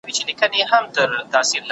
زه وخت نه نيسم!